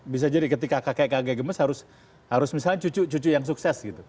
bisa jadi ketika kakek kakek gemes harus misalnya cucu cucu yang sukses gitu